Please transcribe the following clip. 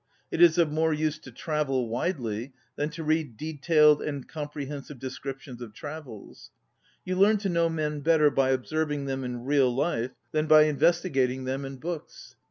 It is of more use to travel widely than to read detailed and comprehen sive descriptions of travels. You learn to know men better by observ ing them in real life than by inves 11 ON READING tigating them in books.